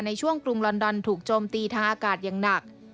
ในช่วงกรุงลอนดอนถูกโจมตีทางอากาศอย่างหนัก